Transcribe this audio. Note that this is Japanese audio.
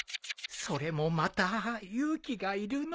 それもまた勇気がいるの。